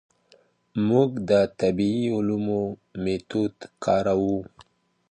موږ د طبیعي علومو میتود کاروو.